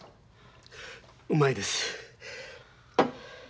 うまいです。